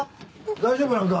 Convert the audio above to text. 大丈夫なんか？